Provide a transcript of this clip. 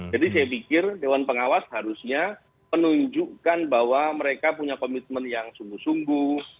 jadi saya pikir dewan pengawas harusnya menunjukkan bahwa mereka punya komitmen yang sungguh sungguh